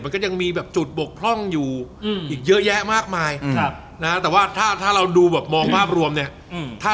ก็จะมีแบบจุดบกพร่องอยู่อีกเยอะแยะมากมายแต่ว่าถ้าเราดูแบบมองภาพรวมเนี่ย